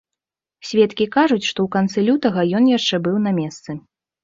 Сведкі кажуць, што ў канцы лютага ён яшчэ быў на месцы.